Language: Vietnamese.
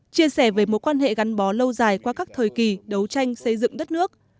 chia sẻ về mối quan hệ gắn bó lâu dài qua các thời kỳ đấu tranh xây dựng đất nước